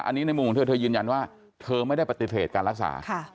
อันนี้ในมุมของเธอเธอยืนยันว่าเธอไม่ได้ปฏิเสธการรักษา